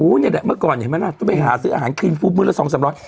นี่แหละเมื่อก่อนเห็นไหมล่ะต้องไปหาซื้ออาหารครีมฟู้ดมื้อละสองสามร้อย